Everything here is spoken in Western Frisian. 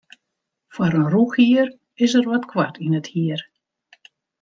Foar in rûchhier is er wat koart yn it hier.